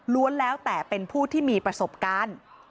แล้วแต่เป็นผู้ที่มีประสบการณ์